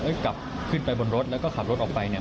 แล้วกลับขึ้นไปบนรถแล้วก็ขับรถออกไปเนี่ย